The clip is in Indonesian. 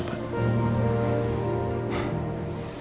gue mau minta pendapat